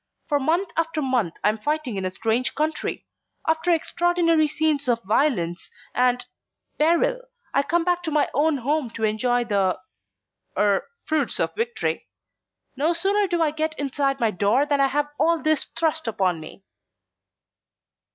For month after month I am fighting in a strange country. After extraordinary scenes of violence and peril I come back to my own home to enjoy the er fruits of victory. No sooner do I get inside my door than I have all this thrust upon me."